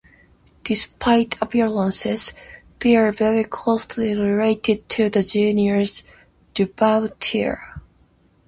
Despite appearances, they are very closely related to the genus "Dubautia".